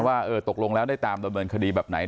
ว่าเออตกลงแล้วได้ตามดำเนินคดีแบบไหน